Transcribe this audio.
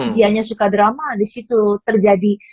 dia nya suka drama di situ terjadi